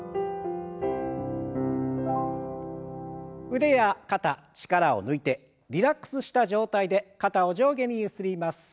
腕や肩力を抜いてリラックスした状態で肩を上下にゆすります。